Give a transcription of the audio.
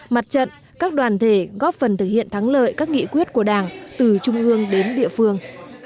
mặt trận các đoàn thể góp phần thực hiện thắng lợi các nghị quyết của đảng từ trung ương đến địa phương